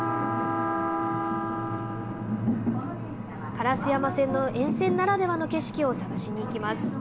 烏山線の沿線ならではの景色を探しに行きます。